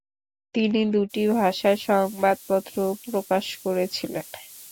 তিনি দুটি ভাষায় সংবাদপত্রও প্রকাশ করেছিলেন।